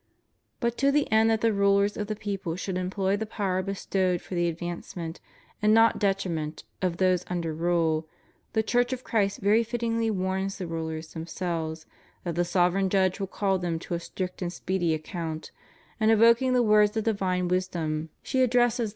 But to the end that the rulers of the people shall emploji the power bestowed for the advancement, and not detri ment, of those under nile, the Church of Christ very fit tingly warns the rulers themselves that the Sovereign Judge mil call them to a strict and speedy account, and evoking the words of divine wisdom, she addresses them * Rom.